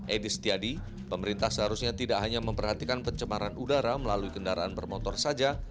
edi setiadi pemerintah seharusnya tidak hanya memperhatikan pencemaran udara melalui kendaraan bermotor saja